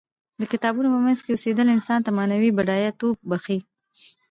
د کتابونو په منځ کې اوسیدل انسان ته معنوي بډایه توب بښي.